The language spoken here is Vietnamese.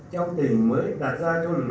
trong tình mới đạt ra cho lực lượng